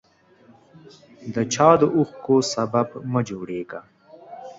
د چا د اوښکو سبب مه جوړیږه